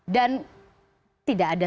dan tidak ada